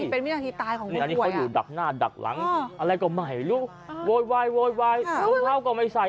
เป็นวินาทีตายของผู้ป่วยใช้กระดับหน้าดักหลังอะไรบ้างหน่อยพวงตาไยด้วย